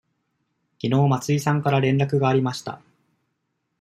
きのう松井さんから連絡がありました。